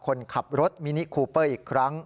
คนขับรถมินิคูเปอร์อีกครั้ง